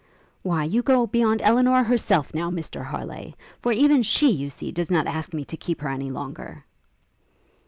'Why, you go beyond Elinor herself, now, Mr Harleigh! for even she, you see, does not ask me to keep her any longer.'